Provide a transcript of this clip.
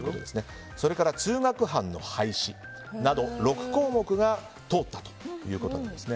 それから通学班の廃止など６項目が通ったということです。